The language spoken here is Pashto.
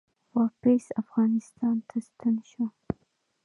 واپس افغانستان ته ستون شو